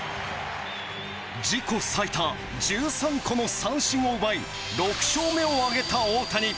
自己最多１３個の三振を奪い６勝目を挙げた大谷。